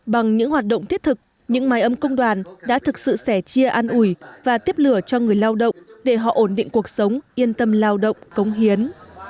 bằng những hoạt động thiết thực những máy ấm công đoàn đã thực sự sẻ chia an ủi và tiếp lửa cho người lao động để họ ổn định cuộc sống yên tâm lao động cống hiến